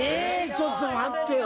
ちょっと待ってよ。